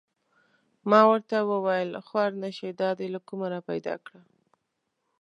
ما ورته و ویل: خوار نه شې دا دې له کومه را پیدا کړه؟